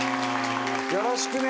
よろしくね！